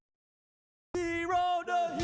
ตอนนี้มวยกู้ที่๓ของรายการ